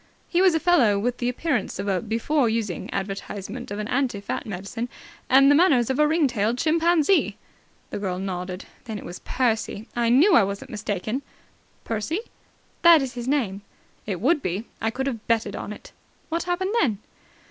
He was a fellow with the appearance of a before using advertisement of an anti fat medicine and the manners of a ring tailed chimpanzee." The girl nodded. "Then it was Percy! I knew I wasn't mistaken." "Percy?" "That is his name." "It would be! I could have betted on it." "What happened then?"